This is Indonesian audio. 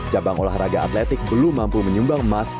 cabang olahraga atletik belum mampu menyumbang emas